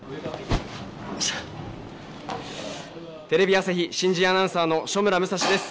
テレビ朝日新人アナウンサーの所村武蔵です。